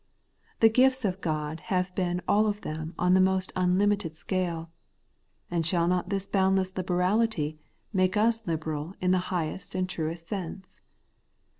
The gifts of God have been all of them on the most unlimited scale ; and shall not this boundless liberality make us liberal in the highest and truest sense